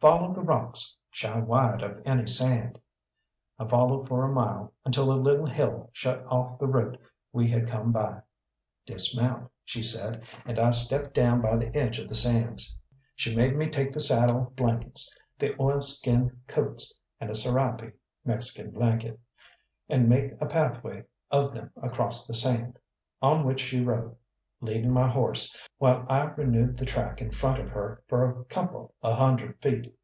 "Follow the rocks shy wide of any sand." I followed for a mile, until a little hill shut off the route we had come by. "Dismount," she said, and I stepped down by the edge of the sands. She made me take the saddle blankets, the oilskin coats, and a serape (Mexican blanket), and make a pathway of them across the sand, on which she rode, leading my horse, while I renewed the track in front of her for a couple of hundred feet.